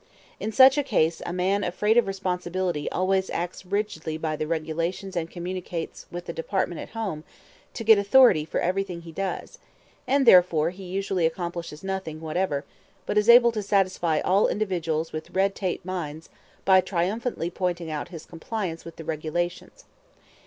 In such a case a man afraid of responsibility always acts rigidly by the regulations and communicates with the Department at home to get authority for everything he does; and therefore he usually accomplishes nothing whatever, but is able to satisfy all individuals with red tape minds by triumphantly pointing out his compliance with the regulations.